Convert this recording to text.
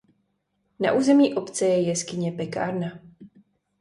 Na území obce je jeskyně Pekárna.